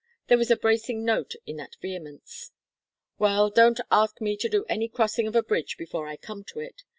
There was a bracing note in that vehemence. "Well, don't ask me to do any crossing of a bridge before I come to it.